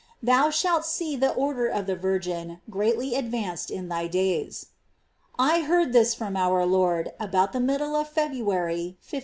Thou shalt see the Order of the Virgin greatly advanced in thy days." I heard this from our Lord about the middle of February 1571.